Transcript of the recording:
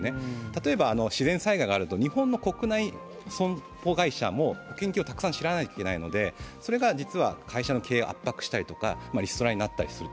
例えば自然災害があると日本の国内損保会社も保険金をたくさん支払わなければいけないので、それが実は会社の経営を圧迫したりとかリストラになったりする。